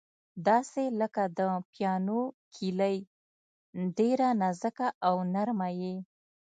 داسې لکه د پیانو کیلۍ، ډېره نازکه او نرمه یې.